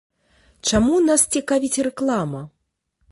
Чаму нас цікавіць рэклама?